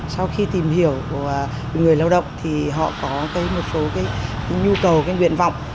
sau khi tìm hiểu của người lao động thì họ có một số nhu cầu nguyện vọng